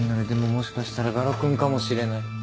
でももしかしたら我路君かもしれない。